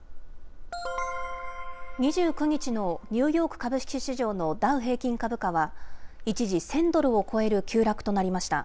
２９日のニューヨーク株式市場のダウ平均株価は、一時１０００ドルを超える急落となりました。